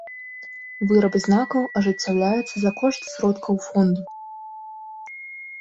Выраб знакаў ажыццяўляецца за кошт сродкаў фонду.